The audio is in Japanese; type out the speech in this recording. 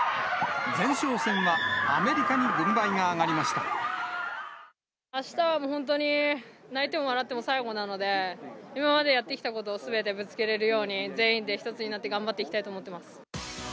前哨戦はアメリカに軍配が上がりあしたはもう本当に、泣いても笑っても最後なので、今までやってきたことをすべてぶつけれるように、全員で一つになって頑張っていきたいなと思っています。